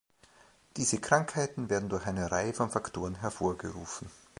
Diese Krankheiten werden durch eine Reihe von Faktoren hervorgerufen.